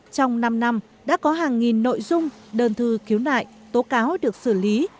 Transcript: trong năm năm đã có hàng nghìn nội dung đơn thư khiếu nại tố cáo được xử lý